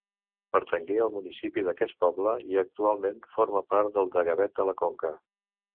Pertangué al municipi d'aquest poble, i actualment forma part del de Gavet de la Conca.